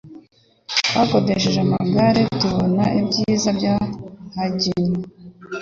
Twakodesheje amagare tubona ibyiza bya Hagino.